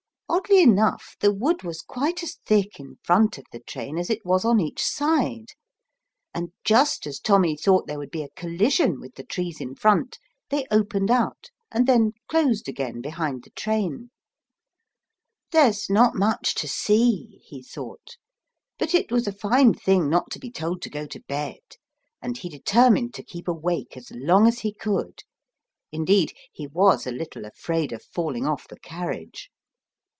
Oddly enough, the wood was quite as thick in front of the train as it was on each side; and just as Tommy thought there would be a collision with the trees in "Sleepers" in the wrong place. 23 front ; they opened out and then closed again behind the train. "There's not much to see/' he thought, but it was a fine thing not to be told to go to bed, and he determined to keep awake as long as he could ; indeed he was a little afraid of falling off the carriage.